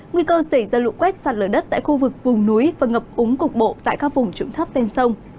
nguy cơ xảy ra lụ quét sạt lở đất tại khu vực vùng núi và ngập úng cục bộ tại các vùng trụng thấp ven sông